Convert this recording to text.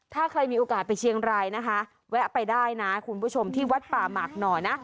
ถ้าใครมีโอกาสไปเชียงรายนะคะแวะไปได้นะคุณผู้ชมที่วัดป่าหมากหน่อยนะ